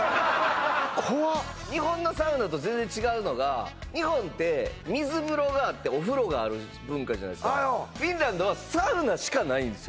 怖っ日本のサウナと全然違うのが日本って水風呂があってお風呂がある文化じゃないですかフィンランドはサウナしかないんですよ